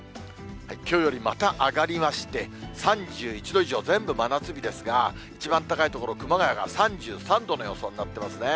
きょうよりまた上がりまして、３１度以上、全部真夏日ですが、一番高い所、熊谷が３３度の予想になってますね。